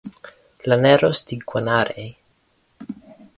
Llaneros de Guanare